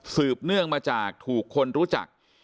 เนื่องมาจากถูกคนรู้จัก